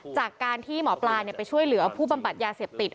จากการที่หมอปลาไปช่วยเหลือผู้บำบัดยาเสพติด